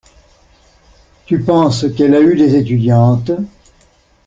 Tu penses qu'elle a eu des étudiantes?